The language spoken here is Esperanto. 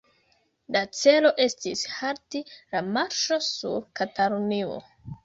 La celo estis halti la marŝo sur Katalunio.